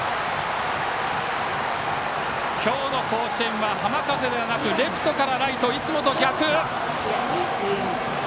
今日の甲子園は浜風ではなくレフトからライトいつもと逆。